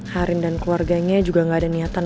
harin dan keluarganya juga gak ada niatan